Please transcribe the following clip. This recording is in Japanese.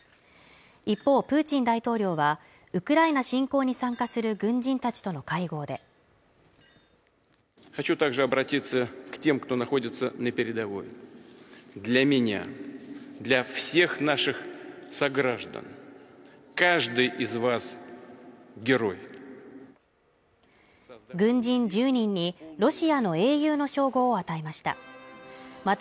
一方プーチン大統領はウクライナ侵攻に参加する軍人たちとの会合で軍人１０人にロシアの英雄の称号を与えました